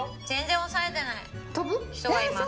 全然押さえてない。